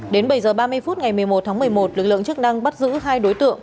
đến bảy h ba mươi phút ngày một mươi một tháng một mươi một lực lượng chức năng bắt giữ hai đối tượng